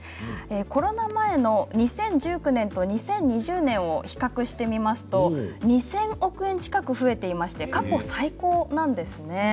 コロナ前の２０１９年と２０２０年を比較すると２０００億円近く増えていまして過去最高なんです。